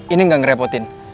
ini gak ngerepotin